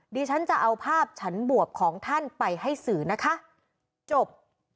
ดิฉันจะเอาภาพฉันบวบของท่านไปให้สื่อนะคะจบ